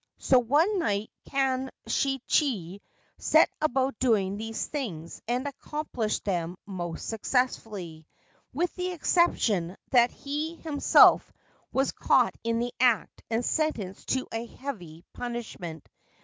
So one night Kanshichi set about doing these things and accom plished them most successfully — with the exception that he himself was caught in the act and sentenced to a heavy punishment.